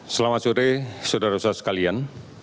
selamat sore saudara saudara sekalian